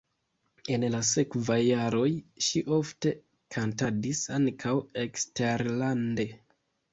En la sekvaj jaroj ŝi ofte kantadis ankaŭ eksterlande.